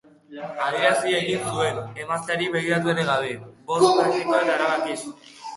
Adierazi egin zuen, emazteari begiratu ere gabe, boz praktiko eta erabakiz.